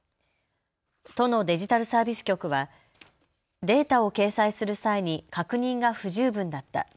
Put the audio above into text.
都のデジタルサービス局はデータを掲載する際に確認が不十分だった。